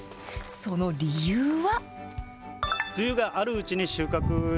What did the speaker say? その理由は。